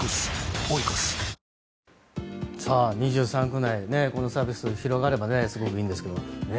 ２３区内でこのサービスが広がればすごくいいんですけどね。